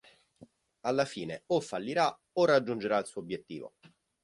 Alla fine o fallirà o raggiungerà il suo obiettivo.